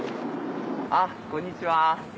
あっこんにちは。